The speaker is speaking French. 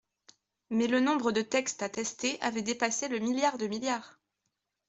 Mais le nombre de textes à tester avait dépassé le milliard de milliards